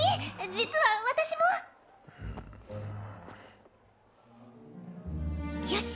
実は私も。よし。